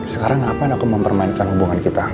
sekarang kapan aku mempermainkan hubungan kita